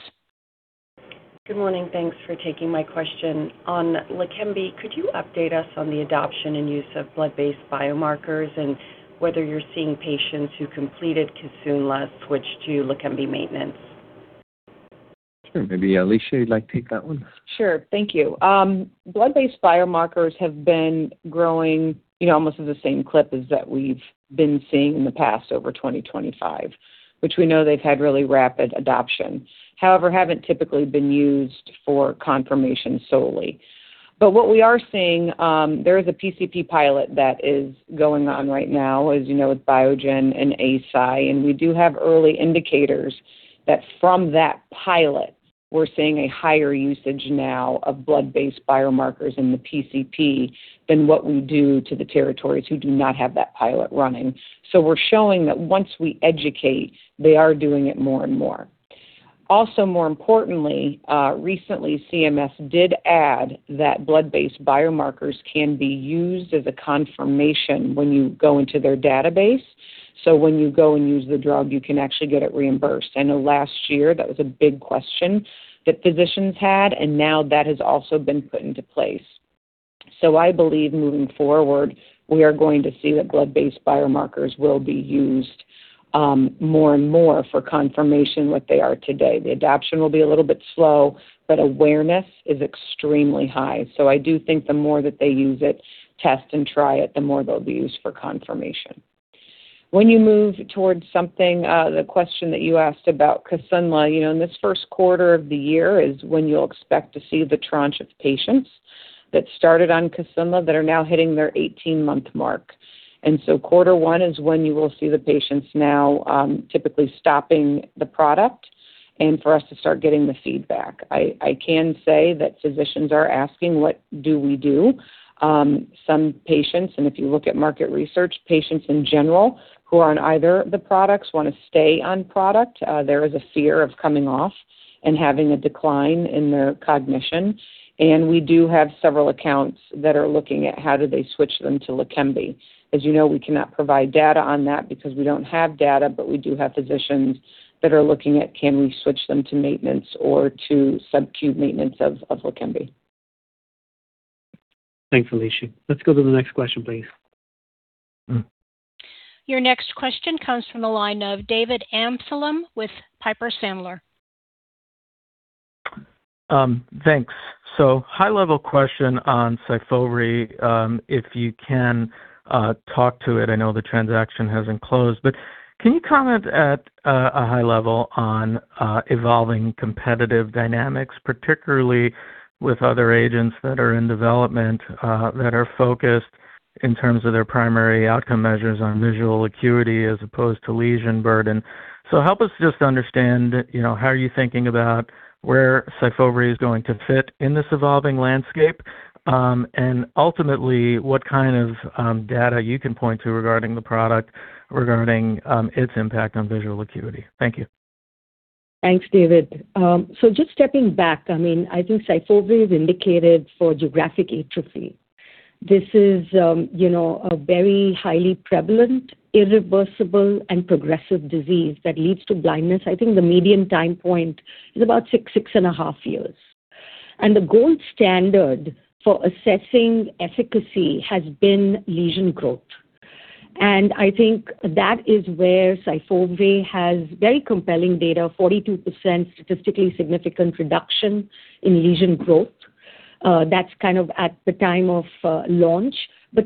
Good morning. Thanks for taking my question. On LEQEMBI, could you update us on the adoption and use of blood-based biomarkers and whether you're seeing patients who completed Kisunla switch to LEQEMBI maintenance? Sure. Maybe, Alisha, you'd like to take that one? Sure. Thank you. Blood-based biomarkers have been growing, you know, almost at the same clip as that we've been seeing in the past over 2025, which we know they've had really rapid adoption. Haven't typically been used for confirmation solely. What we are seeing, there is a PCP pilot that is going on right now, as you know, with Biogen and Eisai, and we do have early indicators that from that pilot, we're seeing a higher usage now of blood-based biomarkers in the PCP than what we do to the territories who do not have that pilot running. We're showing that once we educate, they are doing it more and more. Also, more importantly, recently CMS did add that blood-based biomarkers can be used as a confirmation when you go into their database. When you go and use the drug, you can actually get it reimbursed. I know last year that was a big question that physicians had, and now that has also been put into place. I believe moving forward, we are going to see that blood-based biomarkers will be used more and more for confirmation what they are today. The adoption will be a little bit slow, but awareness is extremely high. I do think the more that they use it, test and try it, the more they'll be used for confirmation. When you move towards something, the question that you asked about Kisunla, you know, in this first quarter of the year is when you'll expect to see the tranche of patients that started on Kisunla that are now hitting their 18-month mark. Quarter one is when you will see the patients now, typically stopping the product and for us to start getting the feedback. I can say that physicians are asking, what do we do? Some patients, and if you look at market research, patients in general who are on either of the products wanna stay on product. There is a fear of coming off and having a decline in their cognition. We do have several accounts that are looking at how do they switch them to LEQEMBI. As you know, we cannot provide data on that because we don't have data, but we do have physicians that are looking at can we switch them to maintenance or to subcute maintenance of LEQEMBI. Thanks, Alisha. Let's go to the next question, please. Your next question comes from the line of David Amsellem with Piper Sandler. Thanks. High-level question on SYFOVRE, if you can talk to it. I know the transaction hasn't closed, but can you comment at a high level on evolving competitive dynamics, particularly with other agents that are in development that are focused in terms of their primary outcome measures on visual acuity as opposed to lesion burden? Help us just understand, you know, how are you thinking about where SYFOVRE is going to fit in this evolving landscape, and ultimately what kind of data you can point to regarding the product regarding its impact on visual acuity. Thank you. Thanks, David. Just stepping back, I mean, I think SYFOVRE is indicated for geographic atrophy. This is, you know, a very highly prevalent, irreversible, and progressive disease that leads to blindness. I think the median time point is about six, 6.5 years. The gold standard for assessing efficacy has been lesion growth. I think that is where SYFOVRE has very compelling data, 42% statistically significant reduction in lesion growth. That's kind of at the time of launch.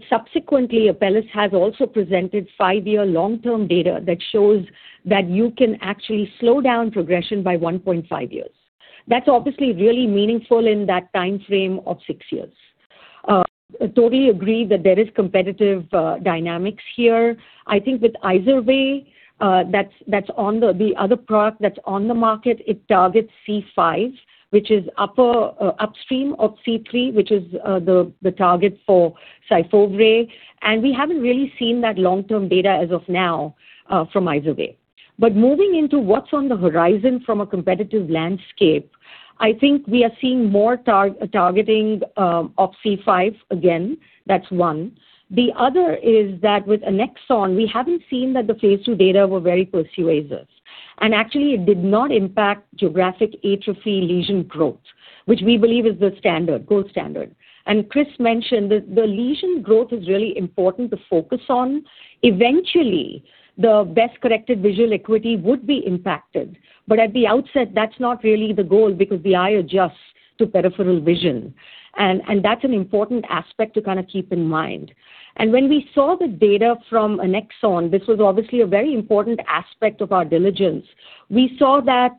Subsequently, Apellis has also presented five-year long-term data that shows that you can actually slow down progression by 1.5 years. That's obviously really meaningful in that timeframe of six years. Totally agree that there is competitive dynamics here. I think with IZERVAY, that's on the other product that's on the market, it targets C5, which is upper, upstream of C3, which is the target for SYFOVRE. We haven't really seen that long-term data as of now from IZERVAY. Moving into what's on the horizon from a competitive landscape, I think we are seeing more targeting of C5 again. That's one. The other is that with Annexon, we haven't seen that the phase II data were very persuasive. Actually, it did not impact geographic atrophy lesion growth, which we believe is the standard, gold standard. Chris mentioned the lesion growth is really important to focus on. Eventually, the best-corrected visual acuity would be impacted. At the outset, that's not really the goal because the eye adjusts to peripheral vision. That's an important aspect to kinda keep in mind. When we saw the data from Annexon, this was obviously a very important aspect of our diligence. We saw that,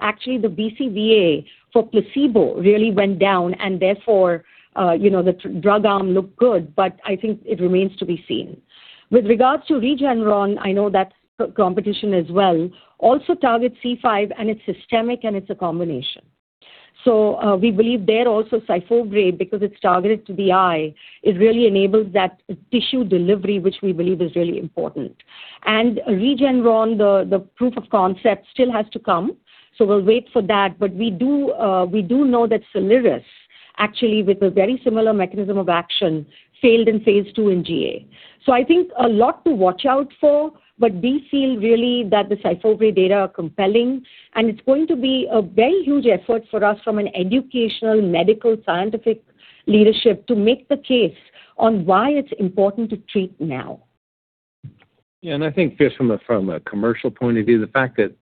actually the BCVA for placebo really went down, and therefore, you know, the drug arm looked good, but I think it remains to be seen. With regards to Regeneron, I know that's competition as well, also targets C5, and it's systemic, and it's a combination. We believe there also SYFOVRE, because it's targeted to the eye, it really enables that tissue delivery, which we believe is really important. Regeneron, the proof of concept still has to come, so we'll wait for that. We do know that SOLIRIS actually with a very similar mechanism of action failed in phase II in GA. I think a lot to watch out for, but we feel really that the SYFOVRE data are compelling, and it's going to be a very huge effort for us from an educational, medical, scientific leadership to make the case on why it's important to treat now. Yeah. I think just from a commercial point of view, the fact that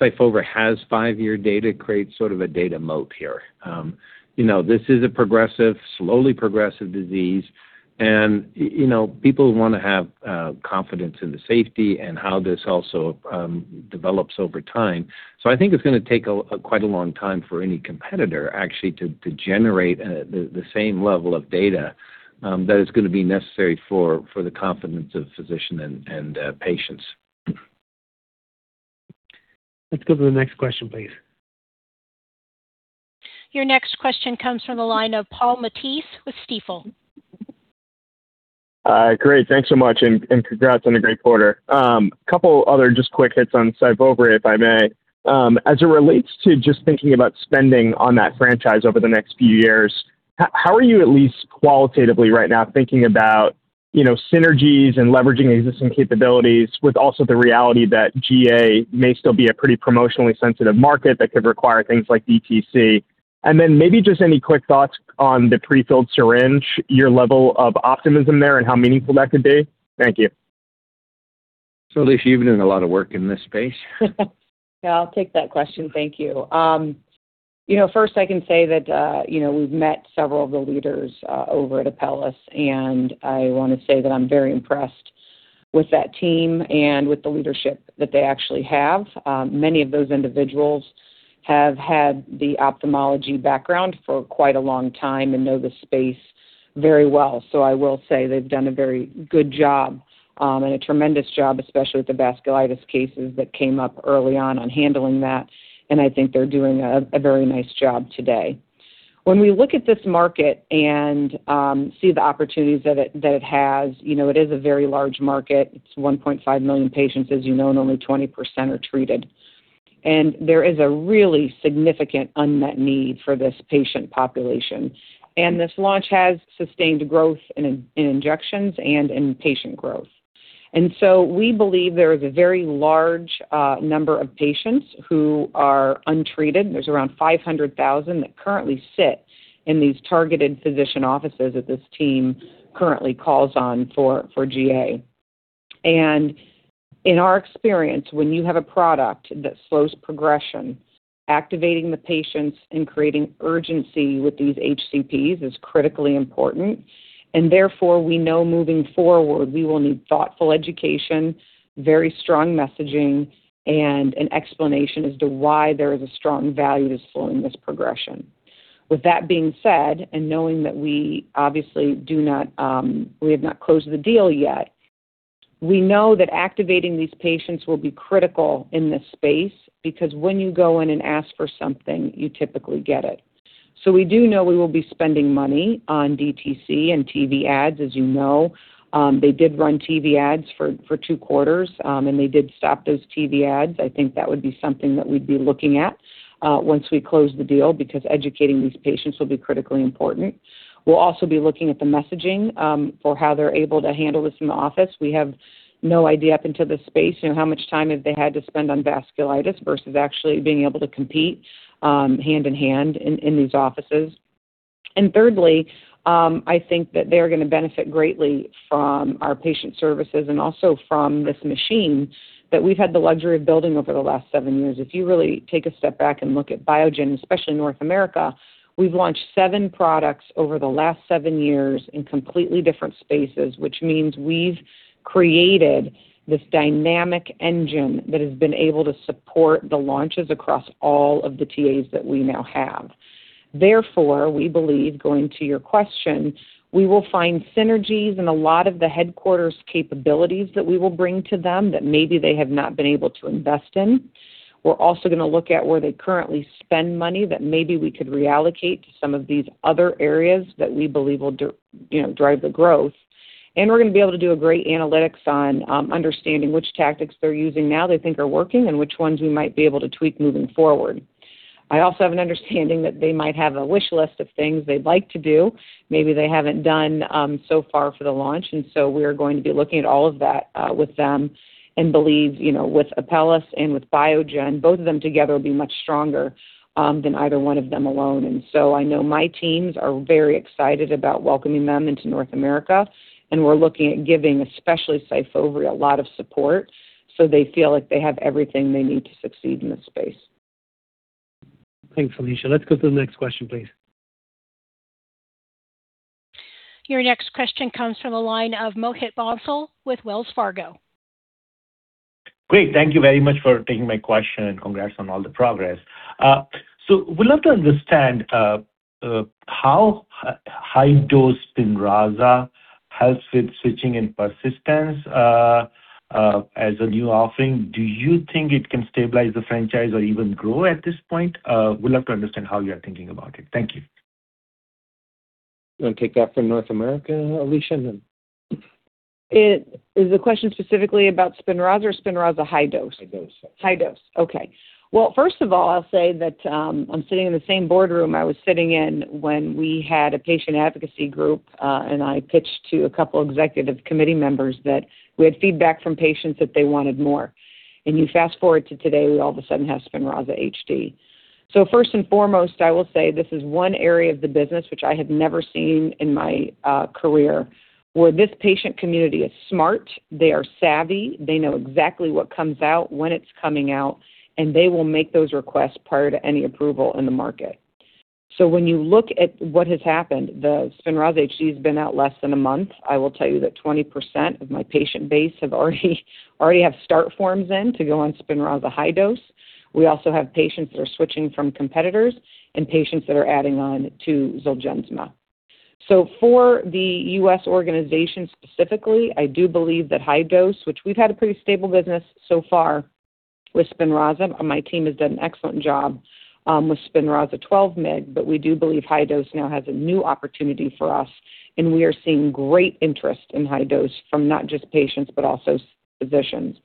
SYFOVRE has five-year data creates sort of a data moat here. you know, this is a progressive, slowly progressive disease and you know, people wanna have confidence in the safety and how this also develops over time. I think it's gonna take a, quite a long time for any competitor actually to generate the same level of data that is gonna be necessary for the confidence of physician and patients. Let's go to the next question, please. Your next question comes from the line of Paul Matteis with Stifel. Great. Thanks so much and congrats on a great quarter. A couple other just quick hits on SYFOVRE, if I may. As it relates to just thinking about spending on that franchise over the next few years, how are you at least qualitatively right now thinking about, you know, synergies and leveraging existing capabilities with also the reality that GA may still be a pretty promotionally sensitive market that could require things like DTC? Then maybe just any quick thoughts on the pre-filled syringe, your level of optimism there, and how meaningful that could be? Thank you. Alisha, you've done a lot of work in this space. Yeah, I'll take that question. Thank you. You know, first I can say that, you know, we've met several of the leaders over at Apellis, and I wanna say that I'm very impressed with that team and with the leadership that they actually have. Many of those individuals have had the ophthalmology background for quite a long time and know the space very well. I will say they've done a very good job, and a tremendous job, especially with the vasculitis cases that came up early on handling that, and I think they're doing a very nice job today. When we look at this market and see the opportunities that it has, you know, it is a very large market. It's 1.5 million patients, as you know, and only 20% are treated. There is a really significant unmet need for this patient population. This launch has sustained growth in injections and in patient growth. We believe there is a very large number of patients who are untreated. There's around 500,000 that currently sit in these targeted physician offices that this team currently calls on for GA. In our experience, when you have a product that slows progression, activating the patients and creating urgency with these HCPs is critically important. Therefore, we know moving forward we will need thoughtful education, very strong messaging, and an explanation as to why there is a strong value to slowing this progression. With that being said, and knowing that we obviously do not, we have not closed the deal yet, we know that activating these patients will be critical in this space because when you go in and ask for something, you typically get it. We do know we will be spending money on DTC and TV ads. As you know, they did run TV ads for two quarters, and they did stop those TV ads. I think that would be something that we'd be looking at once we close the deal because educating these patients will be critically important. We'll also be looking at the messaging for how they're able to handle this in the office. We have no idea up until this space, you know, how much time have they had to spend on vasculitis versus actually being able to compete, hand in hand in these offices. Thirdly, I think that they are gonna benefit greatly from our patient services and also from this machine that we've had the luxury of building over the last seven years. If you really take a step back and look at Biogen, especially in North America, we've launched seven products over the last seven years in completely different spaces, which means we've created this dynamic engine that has been able to support the launches across all of the TAs that we now have. Therefore, we believe, going to your question, we will find synergies in a lot of the headquarters capabilities that we will bring to them that maybe they have not been able to invest in. We're also gonna look at where they currently spend money that maybe we could reallocate to some of these other areas that we believe will, you know, drive the growth. We're gonna be able to do a great analytics on understanding which tactics they're using now they think are working and which ones we might be able to tweak moving forward. I also have an understanding that they might have a wish list of things they'd like to do, maybe they haven't done so far for the launch. We're going to be looking at all of that with them and believe, you know, with Apellis and with Biogen, both of them together will be much stronger than either one of them alone. I know my teams are very excited about welcoming them into North America, and we're looking at giving especially SYFOVRE a lot of support, so they feel like they have everything they need to succeed in this space. Thanks, Alisha. Let's go to the next question, please. Your next question comes from the line of Mohit Bansal with Wells Fargo. Great. Thank you very much for taking my question, and congrats on all the progress. Would love to understand how High Dose SPINRAZA helps with switching and persistence as a new offering. Do you think it can stabilize the franchise or even grow at this point? Would love to understand how you're thinking about it. Thank you. You wanna take that from North America, Alisha? Is the question specifically about SPINRAZA or SPINRAZA High Dose? High dose. High dose. Okay. Well, first of all, I'll say that, I'm sitting in the same boardroom I was sitting in when we had a patient advocacy group, and I pitched to a couple executive committee members that we had feedback from patients that they wanted more. You fast-forward to today, we all of a sudden have SPINRAZA HD. First and foremost, I will say this is one area of the business which I have never seen in my career, where this patient community is smart, they are savvy, they know exactly what comes out, when it's coming out, and they will make those requests prior to any approval in the market. When you look at what has happened, the SPINRAZA HD has been out less than a month. I will tell you that 20% of my patient base have already have start forms in to go on SPINRAZA High Dose. We also have patients that are switching from competitors and patients that are adding on to ZOLGENSMA. For the U.S. organization specifically, I do believe that high dose, which we've had a pretty stable business so far with SPINRAZA. My team has done an excellent job with SPINRAZA 12 mg. We do believe high dose now has a new opportunity for us. We are seeing great interest in high dose from not just patients, but also physicians.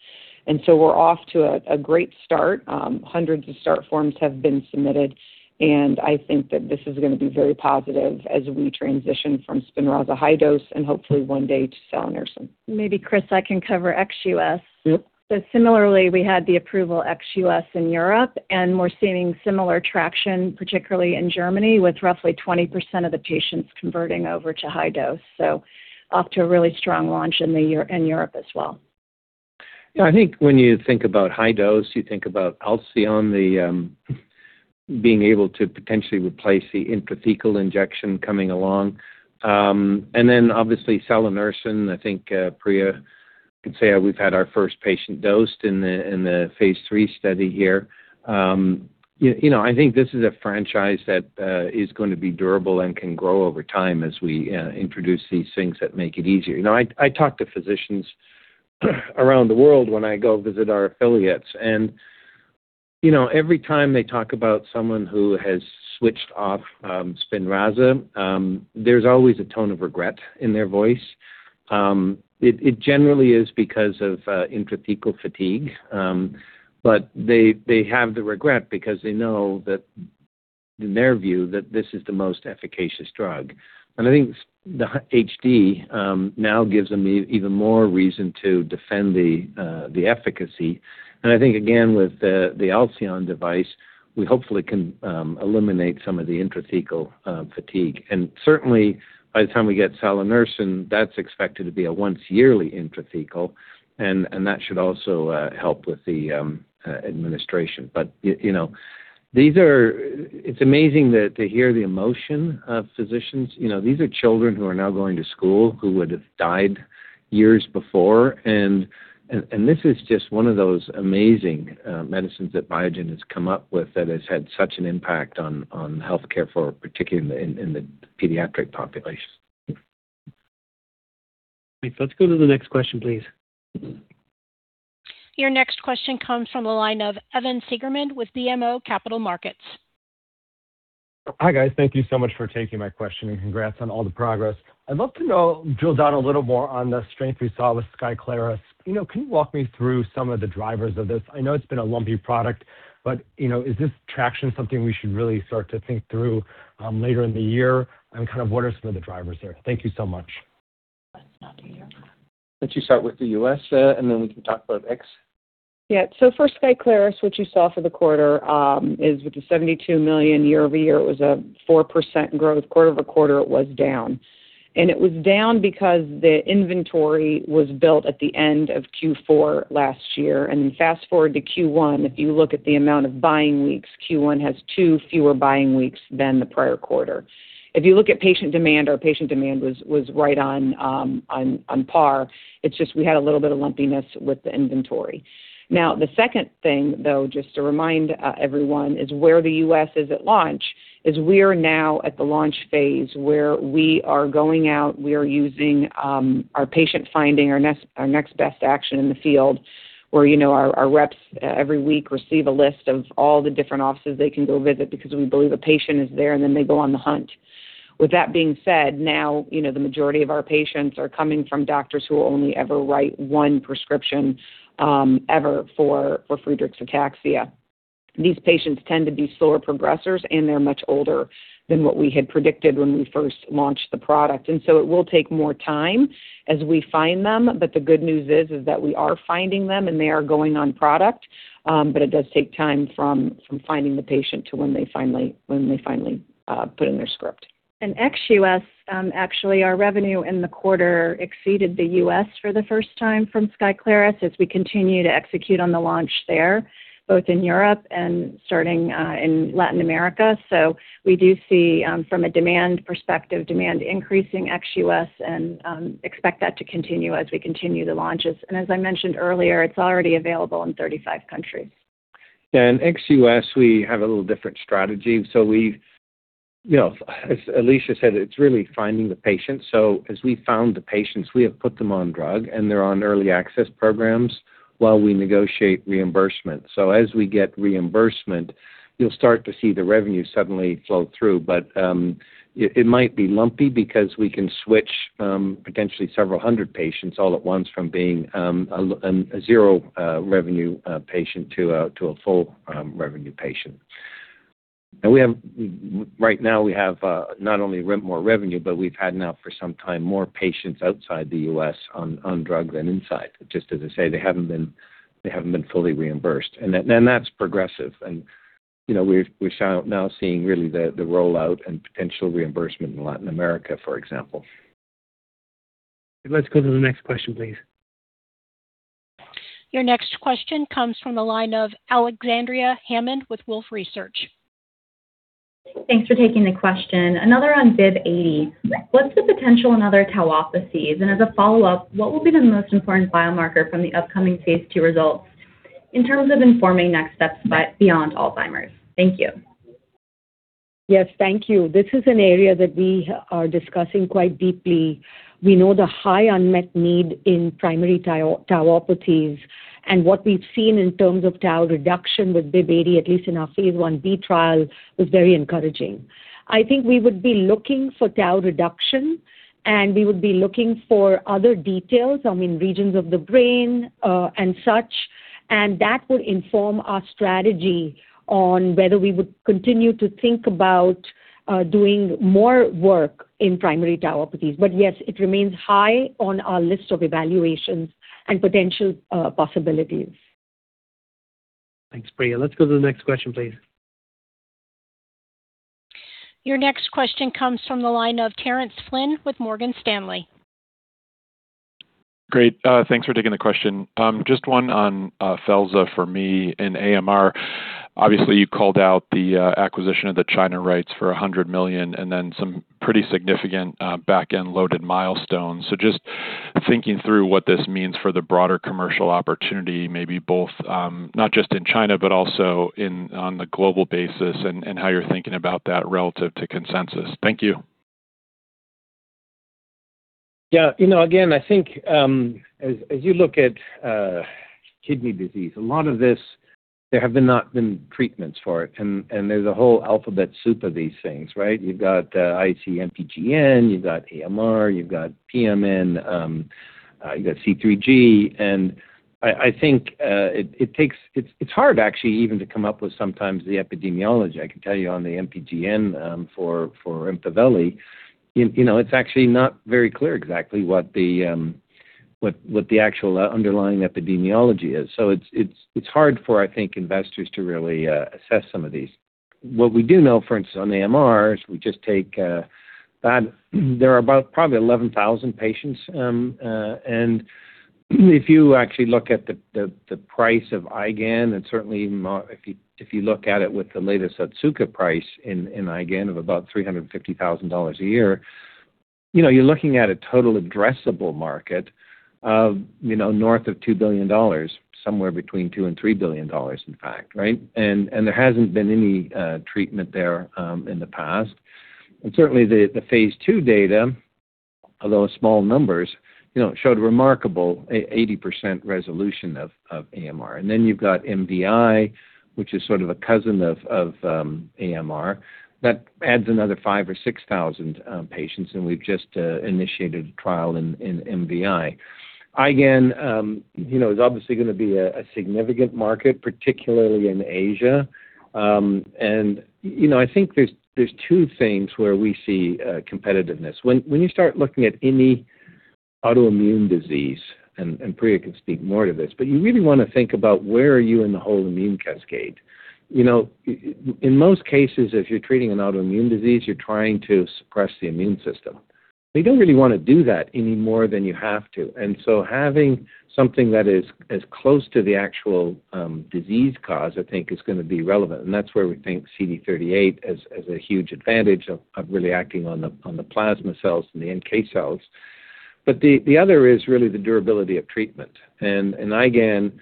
We're off to a great start. Hundreds of start forms have been submitted. I think that this is gonna be very positive as we transition from SPINRAZA High Dose and hopefully one day to salanersen. Maybe Chris, I can cover ex-U.S. Yep. Similarly, we had the approval ex-U.S. in Europe. We're seeing similar traction, particularly in Germany, with roughly 20% of the patients converting over to high dose. Off to a really strong launch in Europe as well. Yeah, I think when you think about high dose, you think about Alcyone, the being able to potentially replace the intrathecal injection coming along. Then obviously salanersen, I think Priya can say we've had our first patient dosed in the phase III study here. You know, I think this is a franchise that is going to be durable and can grow over time as we introduce these things that make it easier. You know, I talk to physicians around the world when I go visit our affiliates. You know, every time they talk about someone who has switched off SPINRAZA, there's always a tone of regret in their voice. It generally is because of intrathecal fatigue. They, they have the regret because they know that in their view, that this is the most efficacious drug. I think the HD now gives them even more reason to defend the efficacy. I think, again, with the Alcyone device, we hopefully can eliminate some of the intrathecal fatigue. Certainly by the time we get salanersen, that's expected to be a once yearly intrathecal, and that should also help with the administration. You know, it's amazing that to hear the emotion of physicians. You know, these are children who are now going to school who would have died years before. This is just one of those amazing medicines that Biogen has come up with that has had such an impact on healthcare for particularly in the pediatric population. Let's go to the next question, please. Your next question comes from the line of Evan Seigerman with BMO Capital Markets. Hi, guys. Thank you so much for taking my question. Congrats on all the progress. I'd love to know, drill down a little more on the strength we saw with SKYCLARYS. You know, can you walk me through some of the drivers of this? I know it's been a lumpy product, you know, is this traction something we should really start to think through later in the year? Kind of what are some of the drivers there? Thank you so much. Let's start with you. Let you start with the U.S., and then we can talk about ex. Yeah. For SKYCLARYS, what you saw for the quarter, is with the $72 million year-over-year, it was a 4% growth. Quarter-over-quarter, it was down. It was down because the inventory was built at the end of Q4 last year. Fast-forward to Q1, if you look at the amount of buying weeks, Q1 has two fewer buying weeks than the prior quarter. If you look at patient demand, our patient demand was right on par. It's just we had a little bit of lumpiness with the inventory. Now, the second thing, though, just to remind everyone, is where the U.S. is at launch, is we are now at the launch phase where we are going out, we are using our patient finding our next best action in the field. Where, you know, our reps every week receive a list of all the different offices they can go visit because we believe a patient is there, and then they go on the hunt. With that being said, now, you know, the majority of our patients are coming from doctors who will only ever write one prescription, ever for Friedreich's ataxia. These patients tend to be slower progressers, and they're much older than what we had predicted when we first launched the product. It will take more time as we find them. The good news is that we are finding them, and they are going on product. It does take time from finding the patient to when they finally put in their script. In ex-U.S., actually our revenue in the quarter exceeded the U.S. for the first time from SKYCLARYS as we continue to execute on the launch there, both in Europe and starting in Latin America. We do see from a demand perspective, demand increasing ex-U.S. and expect that to continue as we continue the launches. As I mentioned earlier, it's already available in 35 countries. Yeah, in ex-U.S., we have a little different strategy. You know, as Alisha said, it's really finding the patient. As we found the patients, we have put them on drug, and they're on early access programs while we negotiate reimbursement. As we get reimbursement, you'll start to see the revenue suddenly flow through. It might be lumpy because we can switch potentially several hundred patients all at once from being a zero revenue patient to a full revenue patient. Right now we have not only more revenue, but we've had now for some time more patients outside the U.S. on drug than inside. Just as I say, they haven't been fully reimbursed. That is progressive. You know, we're now seeing really the rollout and potential reimbursement in Latin America, for example. Let's go to the next question, please. Your next question comes from the line of Alexandria Hammond with Wolfe Research. Thanks for taking the question. Another on BIIB080. What's the potential in other tauopathies? As a follow-up, what will be the most important biomarker from the upcoming phase II results in terms of informing next steps but beyond Alzheimer's? Thank you. Yes. Thank you. This is an area that we are discussing quite deeply. We know the high unmet need in primary tau, tauopathies. What we've seen in terms of tau reduction with BIIB080, at least in our phase Ib trial, was very encouraging. I think we would be looking for tau reduction, we would be looking for other details, I mean, regions of the brain, and such. That would inform our strategy on whether we would continue to think about doing more work in primary tauopathies. Yes, it remains high on our list of evaluations and potential possibilities. Thanks, Priya. Let's go to the next question, please. Your next question comes from the line of Terence Flynn with Morgan Stanley. Great. Thanks for taking the question. Just one on felza for me and AMR. Obviously, you called out the acquisition of the China rights for $100 million and then some pretty significant, back-end loaded milestones. Just thinking through what this means for the broader commercial opportunity, maybe both, not just in China, but also on the global basis and how you're thinking about that relative to consensus. Thank you. Yeah. You know, again, I think, as you look at kidney disease, a lot of this there have not been treatments for it. There's a whole alphabet soup of these things, right? You've got IC-MPGN, you've got AMR, you've got PMN, you've got C3G. I think it's hard actually even to come up with sometimes the epidemiology. I can tell you on the MPGN, for EMPAVELI, you know, it's actually not very clear exactly what the actual underlying epidemiology is. It's hard for, I think, investors to really assess some of these. What we do know, for instance, on AMR, is we just take that there are about probably 11,000 patients. If you actually look at the price of IgAN, and certainly even more if you, if you look at it with the latest Otsuka price in IgAN of about $350,000 a year, you know you're looking at a total addressable market of, you know, north of $2 billion, somewhere between $2 billion and $3 billion, in fact, right? There hasn't been any treatment there in the past. Certainly the phase II data, although small numbers, you know, showed remarkable 80% resolution of AMR. Then you've got MDI, which is sort of a cousin of AMR, that adds another 5,000 or 6,000 patients, and we've just initiated a trial in MDI. IgAN, you know, is obviously gonna be a significant market, particularly in Asia. You know, I think there's two things where we see competitiveness. When you start looking at any autoimmune disease, and Priya can speak more to this, but you really wanna think about where are you in the whole immune cascade. You know, in most cases, if you're treating an autoimmune disease, you're trying to suppress the immune system. You don't really wanna do that any more than you have to. Having something that is as close to the actual disease cause I think is gonna be relevant, and that's where we think CD38 has a huge advantage of really acting on the plasma cells and the NK cells. The other is really the durability of treatment. In IgAN,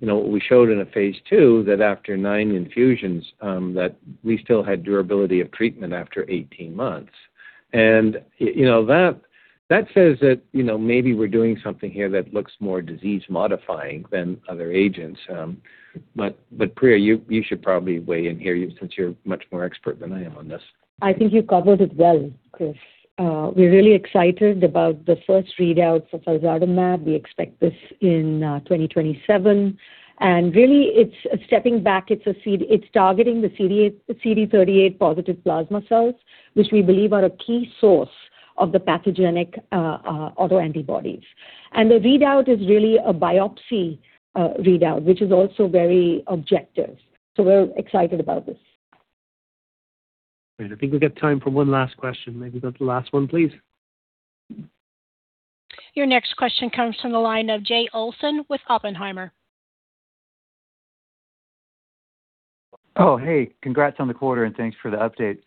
you know, we showed in a phase II that after nine infusions, that we still had durability of treatment after 18 months. You know, that says that, you know, maybe we're doing something here that looks more disease modifying than other agents. Priya, you should probably weigh in here, you, since you're much more expert than I am on this. I think you covered it well, Chris. We're really excited about the first readout for felzartamab. We expect this in 2027. Really it's stepping back. It's a seed. It's targeting the CD38 positive plasma cells, which we believe are a key source of the pathogenic autoantibodies. The readout is really a biopsy readout, which is also very objective. We're excited about this. Great. I think we've got time for one last question. Maybe go to the last one, please. Your next question comes from the line of Jay Olson with Oppenheimer. Oh, hey. Congrats on the quarter, and thanks for the update.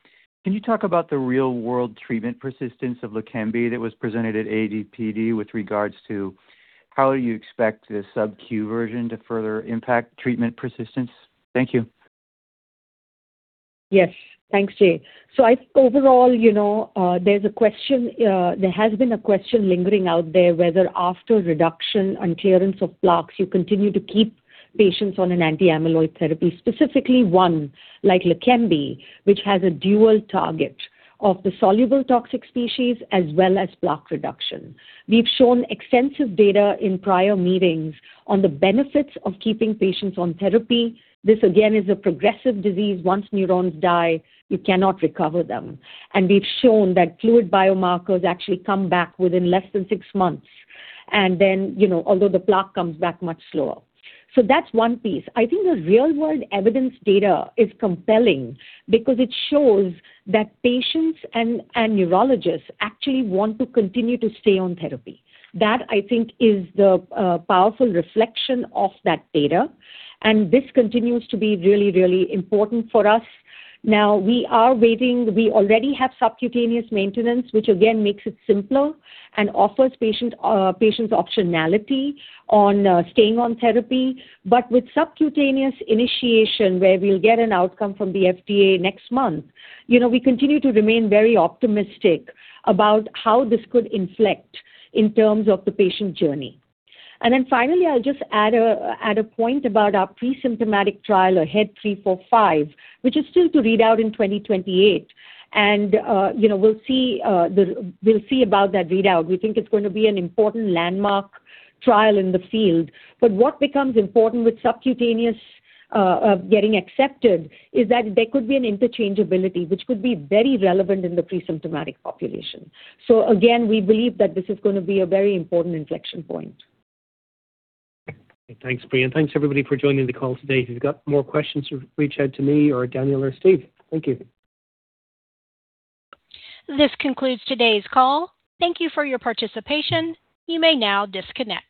Can you talk about the real-world treatment persistence of LEQEMBI that was presented at ADPD with regards to how you expect the subQ version to further impact treatment persistence? Thank you. Yes. Thanks, Jay. I think overall, you know, there's a question, there has been a question lingering out there whether after reduction and clearance of plaques, you continue to keep patients on an anti-amyloid therapy, specifically one like LEQEMBI, which has a dual target of the soluble toxic species as well as plaque reduction. We've shown extensive data in prior meetings on the benefits of keeping patients on therapy. This again is a progressive disease. Once neurons die, you cannot recover them. We've shown that fluid biomarkers actually come back within less than six months, and then, you know, although the plaque comes back much slower. That's one piece. I think the real-world evidence data is compelling because it shows that patients and neurologists actually want to continue to stay on therapy. That I think is the powerful reflection of that data, and this continues to be really, really important for us. Now, we are waiting. We already have subcutaneous maintenance, which again makes it simpler and offers patients optionality on staying on therapy. With subcutaneous initiation, where we'll get an outcome from the FDA next month, you know, we continue to remain very optimistic about how this could inflect in terms of the patient journey. Finally, I'll just add a point about our pre-symptomatic trial, AHEAD 3-45, which is still to read out in 2028. You know, we'll see about that readout. We think it's going to be an important landmark trial in the field. What becomes important with subcutaneous getting accepted is that there could be an interchangeability, which could be very relevant in the pre-symptomatic population. Again, we believe that this is gonna be a very important inflection point. Thanks, Priya. Thanks everybody for joining the call today. If you've got more questions, reach out to me or Daniel or Steve. Thank you. This concludes today's call. Thank you for your participation. You may now disconnect.